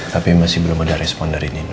tapi masih belum ada respon dari nino